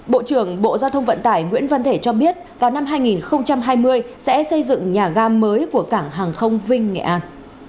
bộ trưởng bộ giao thông vận tải nguyễn văn thể cho biết vào năm hai nghìn hai mươi sẽ xây dựng nhà ga mới của cảng hàng không vinh nghệ an